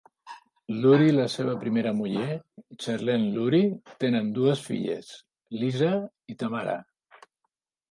Loury i la seva primera muller, Charlene Loury, tenen dues filles, Lisa i Tamara.